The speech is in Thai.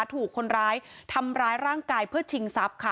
ถูกคนร้ายทำร้ายร่างกายเพื่อชิงทรัพย์ค่ะ